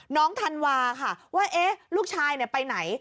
ธันวาค่ะว่าลูกชายไปไหน